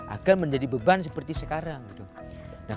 akan menjadi beban seperti sekarang